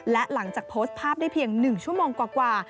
และหลังจากโพสต์ภาพได้เพียง๑ชั่วโมงกว่า